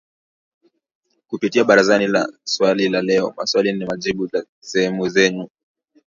kupitia Barazani na Swali la Leo, Maswali na Majibu, na Salamu Zenu